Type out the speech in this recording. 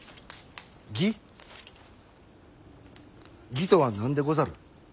義とは何でござる？